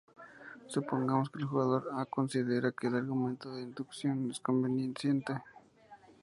Supongamos que el jugador A considera que el argumento de inducción es convincente.